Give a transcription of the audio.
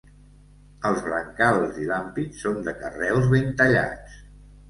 Els brancals i l'ampit són de carreus ben tallats.